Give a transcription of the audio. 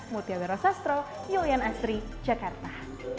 mutiawira sastro yulian astri jakarta